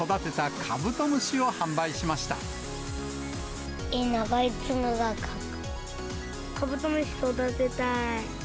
カブトムシ育てたい。